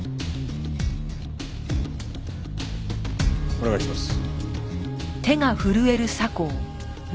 お願いします。